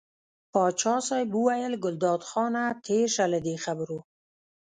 پاچا صاحب وویل ګلداد خانه تېر شه له دې خبرو.